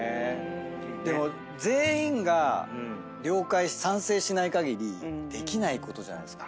でも全員が了解賛成しないかぎりできないことじゃないですか。